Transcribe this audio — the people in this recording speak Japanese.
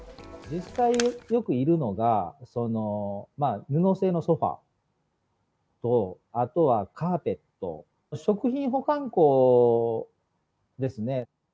実際よくいるのが、布製のソファと、あとはカーペット、食品保管庫ですね。